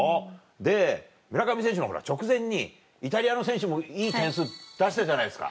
で村上選手の直前にイタリアの選手もいい点数出したじゃないですか。